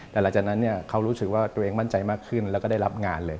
แต่หลังจากนั้นเขารู้สึกว่าตัวเองมั่นใจมากขึ้นแล้วก็ได้รับงานเลย